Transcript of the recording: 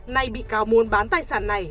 nay bị cáo muốn bán tài sản này